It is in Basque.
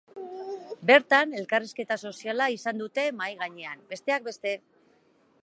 Bertan, elkarrizketa soziala izan dute mahai gainean, besteak beste.